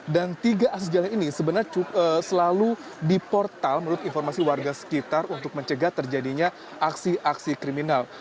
dan tiga akses jalan ini sebenarnya selalu di portal menurut informasi warga sekitar untuk mencegah terjadinya aksi aksi kriminal